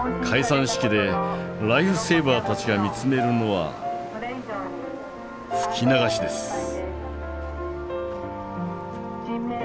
解散式でライフセーバーたちが見つめるのは「吹き流し」です。